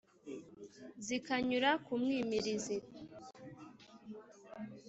Zikanyura ku mwimirizi;